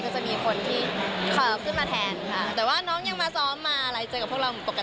ก็จะมีคนที่เข้าขึ้นมาแทนค่ะแต่ว่าน้องยังมาซ้อมมาหลายเจอกับพวกเรามันปกติค่ะ